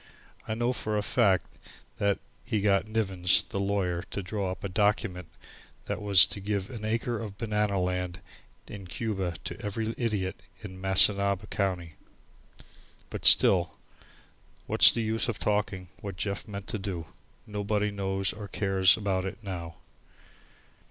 I know for a fact that he got Nivens, the lawyer, to draw up a document that was to give an acre of banana land in Cuba to every idiot in Missinaba county. But still, what's the use of talking of what Jeff meant to do? Nobody knows or cares about it now.